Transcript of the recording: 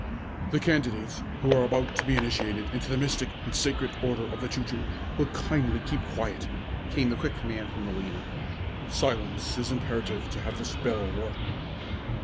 "The candidates who are about to be initiated into the Mystic and Sacred Order of the Choo Choo will kindly keep quiet!" came the quick command from the leader. "Silence is imperative to have the spell work."